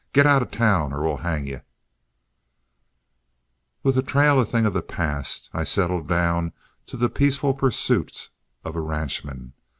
Git out of town or we'll hang you!" With the trail a thing of the past, I settled down to the peaceful pursuits of a ranchman.